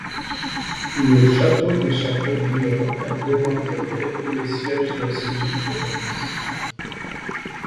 Le château de Châteaubriant est démantelé, et le siège d'Ancenis commence.